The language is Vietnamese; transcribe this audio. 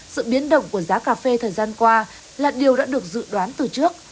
sự biến động của giá cà phê thời gian qua là điều đã được dự đoán từ trước